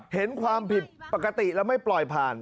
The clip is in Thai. เห็นความผิดปกติแล้วไม่ปล่อยผ่าน